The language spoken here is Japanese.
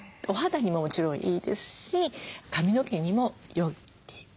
お肌にももちろんいいですし髪の毛にもよい。